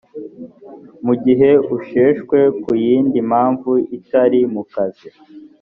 mu gihe usheshwe ku yindi mpamvu itari mu kazi